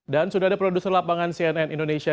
dan sudah ada produser lapangan cnn indonesia